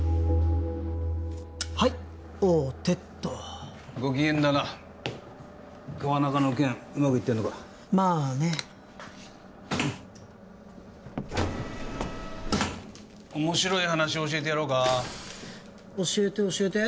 はい王手っとご機嫌だな川中の件うまくいってんのかまあね面白い話教えてやろうか教えて教えて